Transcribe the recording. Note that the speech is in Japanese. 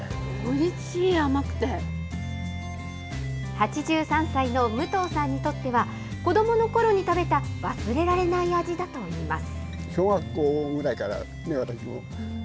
８３歳の武藤さんにとっては、子どものころに食べた忘れられない味だといいます。